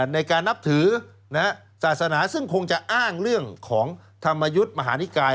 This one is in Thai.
ในการนับถือศาสนาซึ่งคงจะอ้างเรื่องของธรรมยุทธ์มหานิกาย